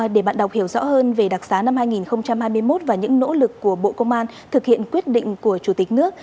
để bạn đọc hiểu rõ hơn về đặc xá năm hai nghìn hai mươi một và những nỗ lực của bộ công an thực hiện quyết định của chủ tịch nước